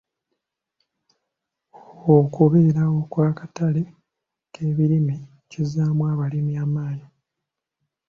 Okubeerawo kw'akatale k'ebirime kizzaamu abalimi amaanyi.